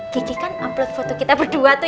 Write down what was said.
kiki kan upload foto kita berdua tuh